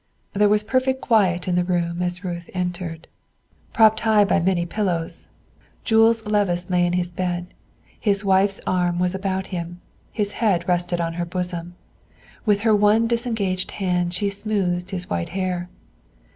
There was perfect quiet in the room as Ruth entered. Propped high by many pillows, Jules Levice lay in his bed; his wife's arm was about him; his head rested on her bosom; with her one disengaged hand she smoothed his white hair.